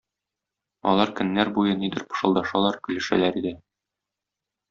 Алар көннәр буе нидер пышылдашалар, көлешәләр иде.